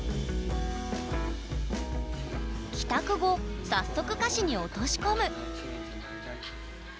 帰宅後早速歌詞に落とし込む。